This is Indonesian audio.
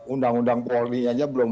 undang undang polri aja belum